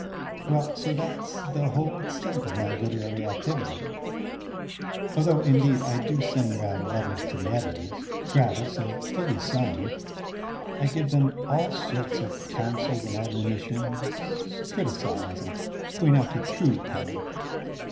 Well, so that's the whole extent of my literary activity. Though indeed I do send round letters to the editors gratis and fully signed. I give them all sorts of counsels and admonitions, criticise and point out the true path.